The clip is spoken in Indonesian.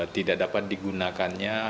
tidak dapat digunakannya